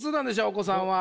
お子さんは。